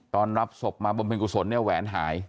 ตอนรับศพมาบำเพ็ญกุศลเนี่ยแหวนหาย